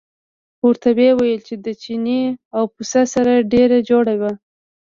ورته ویې ویل د چیني او پسه سره ډېره جوړه وه.